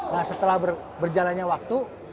nah setelah berjalannya waktu